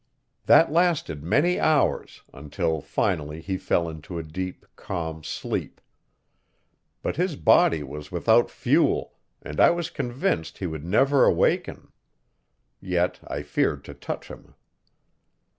That lasted many hours, until finally he fell into a deep, calm sleep. But his body was without fuel, and I was convinced he would never awaken; yet I feared to touch him.